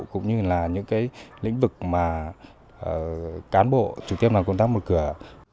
cũng như là những lĩnh vực mà cán bộ trực tiếp làm công tác một cửa